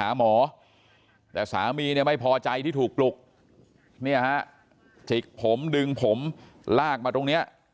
หาหมอแต่สามีเนี่ยไม่พอใจที่ถูกปลุกเนี่ยฮะจิกผมดึงผมลากมาตรงเนี้ย